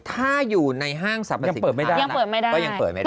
ถ้าอยู่ในห้างสรรพสิทธิ์ของเรายังเปิดไม่ได้